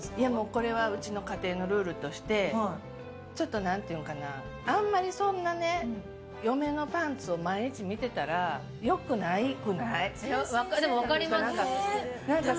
これはうちの家庭のルールとしてちょっとあんまりそんなに嫁のパンツを毎日見てたらよくなくない？